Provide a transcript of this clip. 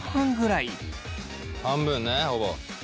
半分ねほぼ。